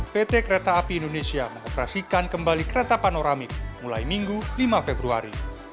pt kereta api indonesia mengoperasikan kembali kereta panoramik mulai minggu lima februari